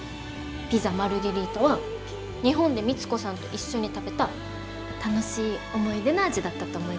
ピザ・マルゲリータは日本で光子さんと一緒に食べた楽しい思い出の味だったと思いますよ。